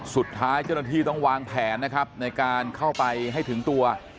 สุดท้ายเจ้าหน้าที่ต้องวางแผนนะครับในการเข้าไปให้ถึงตัว